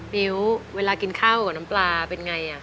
มิ้วเวลากินข้าวกับน้ำปลาเป็นไง